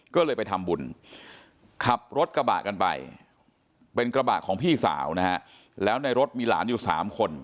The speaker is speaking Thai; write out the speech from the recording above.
ก็เลยไปทำบุญขับรถกระบะกันไปเป็นกระบะของพี่สาวนะฮะแล้วในรถมีหลานอยู่๓คน